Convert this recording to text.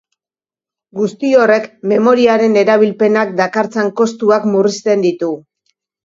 Guzti horrek memoriaren erabilpenak dakartzan kostuak murrizten ditu.